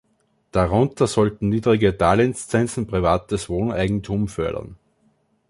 Darunter sollten niedrige Darlehenszinsen privates Wohneigentum fördern.